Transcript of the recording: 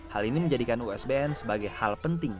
hal ini menjadikan usbn sebagai hal penting